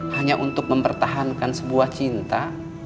hanya untuk mempertahankan sebuah cinta